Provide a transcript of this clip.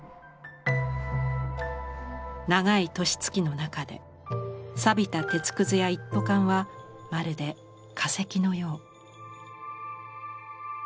長い年月の中で錆びた鉄くずや一斗缶はまるで化石のよう。